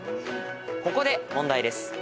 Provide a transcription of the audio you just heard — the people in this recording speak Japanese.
ここで問題です。